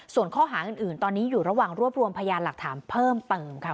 ส่วนข้อหาอื่นตอนนี้อยู่ระหว่างรวบรวมพยานหลักฐานเพิ่มเติมค่ะ